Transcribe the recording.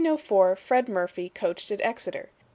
In 1904, Fred Murphy coached at Exeter.